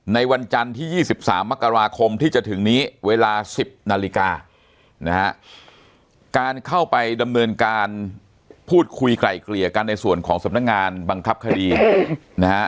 ในวันจันทร์ที่๒๓มกราคมที่จะถึงนี้เวลา๑๐นาฬิกานะฮะการเข้าไปดำเนินการพูดคุยไกล่เกลี่ยกันในส่วนของสำนักงานบังคับคดีนะฮะ